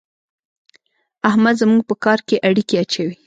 احمد زموږ په کار کې اړېکی اچوي.